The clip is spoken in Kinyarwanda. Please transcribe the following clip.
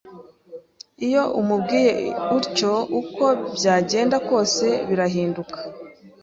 Iyo umubwiye utyo uko byagenda kose birahinduka